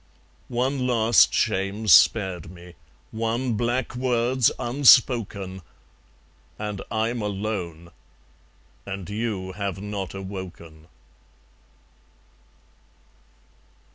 One last shame's spared me, one black word's unspoken; And I'm alone; and you have not awoken.